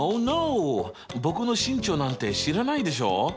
僕の身長なんて知らないでしょ？